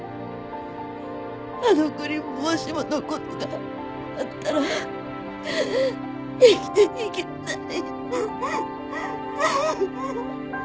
あの子にもしものことがあったら生きていけない。